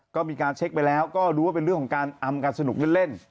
ก็มีการเช็คไปแล้วก็ดูว่าเป็นเรื่องของการอำกันสนุกเล่น